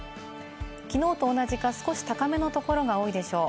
きのうと同じか少し高めのところが多いでしょう。